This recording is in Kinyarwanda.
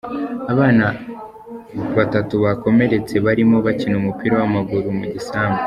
Abana tatatu bakomeretse barimo bakina umupira w’amaguru mu gisambu.